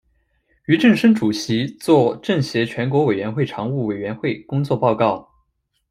俞正声主席作政协全国委员会常务委员会工作报告。